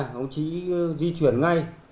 đồng chí di chuyển ngay